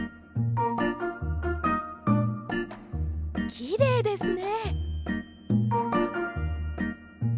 きれいですね。